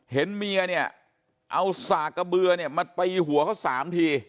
เห็นเมียเนี่ยเอาสากกระเบือเนี่ยมาตีหัวเขา๓ที